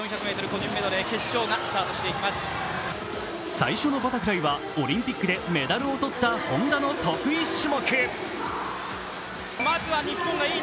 最初のバタフライはオリンピックでメダルをとった本多の得意種目。